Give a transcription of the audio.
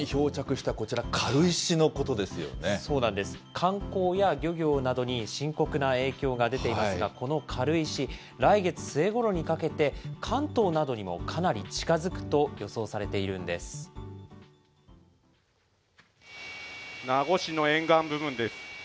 観光や漁業などに深刻な影響が出ていますが、この軽石、来月末ごろにかけて、関東などにもかなり名護市の沿岸部分です。